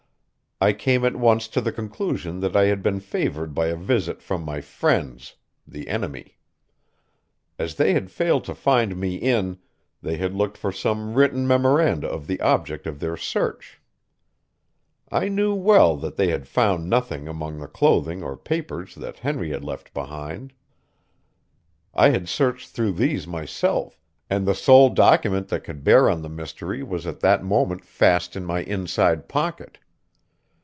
I came at once to the conclusion that I had been favored by a visit from my friends, the enemy. As they had failed to find me in, they had looked for some written memoranda of the object of their search. I knew well that they had found nothing among the clothing or papers that Henry had left behind. I had searched through these myself, and the sole document that could bear on the mystery was at that moment fast in my inside pocket.